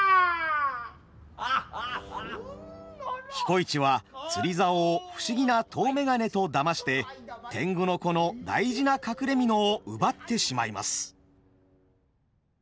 彦市は釣り竿を不思議な遠眼鏡とだまして天狗の子の大事な隠れ蓑を奪ってしまいます。